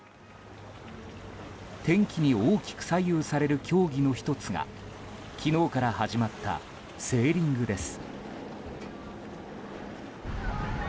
天気に大きく左右される競技の１つが昨日から始まったセーリングです。